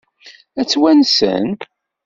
Ad tt-wansen?